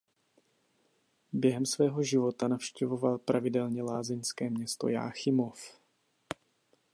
Během svého života navštěvoval pravidelně lázeňské město Jáchymov.